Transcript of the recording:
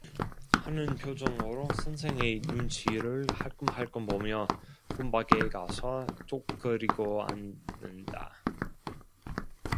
하는 표정으로 선생의 눈치를 할끔할끔 보며 금 밖에 가서 쪼그리고 앉는다.